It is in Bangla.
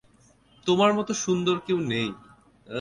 তোমার মত সুন্দর কেউ নেই।